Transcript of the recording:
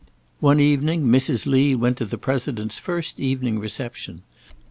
One evening Mrs. Lee went to the President's first evening reception.